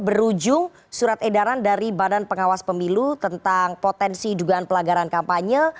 berujung surat edaran dari badan pengawas pemilu tentang potensi dugaan pelanggaran kampanye